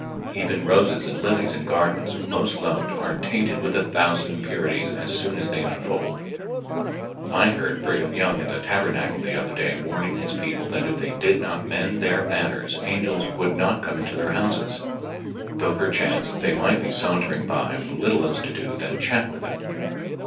Even roses and lilies in gardens most loved are tainted with a thousand impurities as soon as they unfold. I heard Brigham Young in the Tabernacle the other day warning his people that if they did not mend their manners angels would not come into their houses, though perchance they might be sauntering by with little else to do than chat with them.